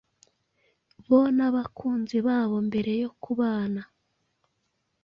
bo n’abakunzi babo mbere yo kubana